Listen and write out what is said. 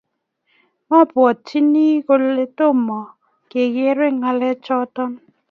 Mabwatyini kole, Tomo kegeere ngalechoto